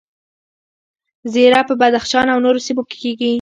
زیره په بدخشان او نورو سیمو کې کیږي